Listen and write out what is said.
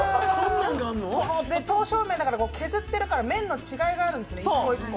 刀削麺だから削ってあるから麺の違いがあるんですね、